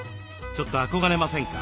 ちょっと憧れませんか？